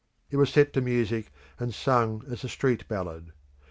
It was set to music, and sung as a street ballad.